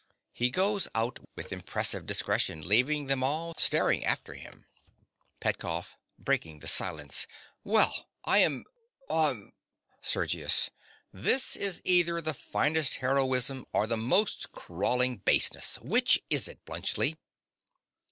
(He goes out with impressive discretion, leaving them all staring after him.) PETKOFF. (breaking the silence). Well, I am— hm! SERGIUS. This is either the finest heroism or the most crawling baseness. Which is it, Bluntschli?